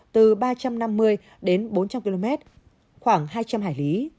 từ ba trăm năm mươi đến bốn trăm linh km khoảng hai trăm linh hải lý